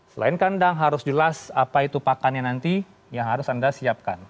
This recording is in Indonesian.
selain kandang harus jelas apa itu pakannya nanti yang harus anda siapkan